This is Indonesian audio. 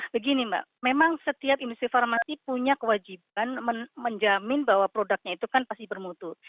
begini mbak memang setiap industri farmasi punya kewajiban menjamin bahwa produknya itu kan pasti bermutu